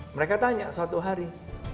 mereka tanya suatu hari